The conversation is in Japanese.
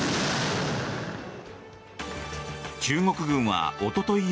中国軍はおととい